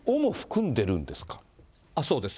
そうです。